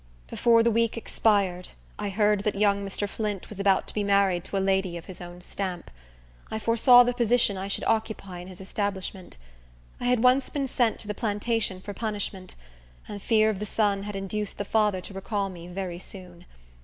Before the week expired, I heard that young Mr. Flint was about to be married to a lady of his own stamp. I foresaw the position I should occupy in his establishment. I had once been sent to the plantation for punishment, and fear of the son had induced the father to recall me very soon.